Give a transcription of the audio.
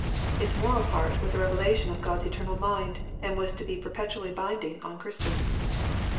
Its moral part was a revelation of God's eternal mind, and was to be per petually binding on Christians.